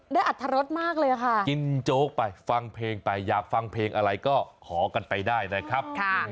อัตรรสมากเลยค่ะกินโจ๊กไปฟังเพลงไปอยากฟังเพลงอะไรก็ขอกันไปได้นะครับ